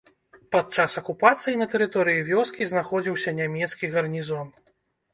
Падчас акупацыі на тэрыторыі вёскі знаходзіўся нямецкі гарнізон.